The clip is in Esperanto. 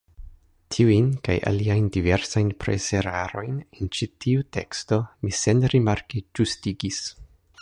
Tiujn, kaj aliajn diversajn preserarojn en ĉi tiu teksto, mi senrimarke ĝustigis.